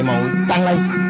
mỗi trăng lây